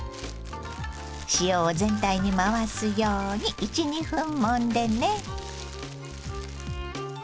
塩を全体に回すように１２分もんでね。